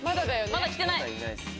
まだ来てない！